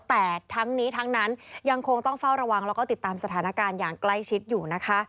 แต่ทั้งนี้ทั้งนั้นยังคงต้องเฝ้าระวังแล้วก็ติดตามสถานการณ์อย่างใกล้ชิดอยู่นะคะ